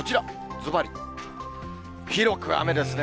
ずばり、広く雨ですね。